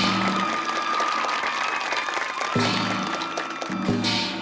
เสาคำยันอาวุธิ